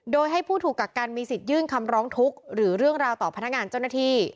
โดยให้ผู้ถูกกักกันมีสิทธิ์ยื่นคำร้องทุกข์หรือเรื่องราวต่อพนักงานเจ้าหน้าที่